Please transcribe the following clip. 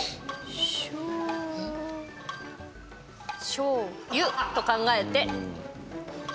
しょう「ゆ」と考えて。